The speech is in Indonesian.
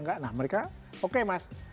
enggak nah mereka oke mas